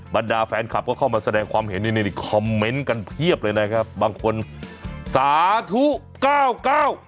บรรดาแฟนคลับก็เข้ามาแสดงความเห็นนี่นี่คอมเมนต์กันเพียบเลยนะครับบางคนสาธุเก้าเก้า